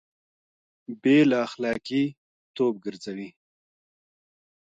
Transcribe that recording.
بې له اخلاقي توب ګرځوي